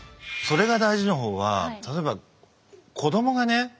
「それが大事」の方は例えば子供がね